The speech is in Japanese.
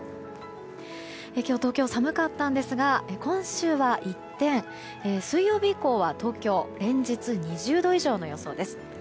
今日、東京は寒かったんですが今週は一転、水曜日以降は東京連日２０度以上の予想です。